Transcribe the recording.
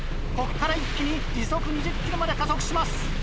ここから一気に時速２０ｋｍまで加速します。